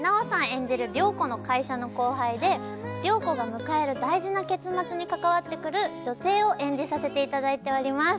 演じる亮子の会社の後輩で亮子が迎える大事な結末に関わってくる女性を演じさせていただいております。